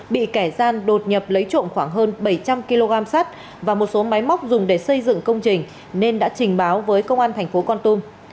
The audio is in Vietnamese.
bị kẻ gian đột nhập lấy trộm khoảng hơn bảy trăm linh kg sắt và một số máy móc dùng để xây dựng công trình nên đã trình báo với công an thành phố con tum